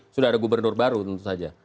sudah ada gubernur baru tentu saja